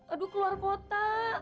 aduh keluar pota